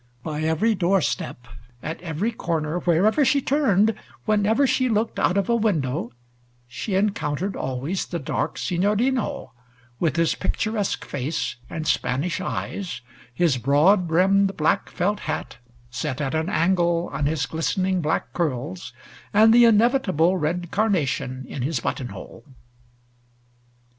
By every doorstep, at every corner, wherever she turned, whenever she looked out of a window, she encountered always the dark Signorino, with his picturesque face and Spanish eyes, his broad brimmed black felt hat set at an angle on his glistening black curls, and the inevitable red carnation in his button hole.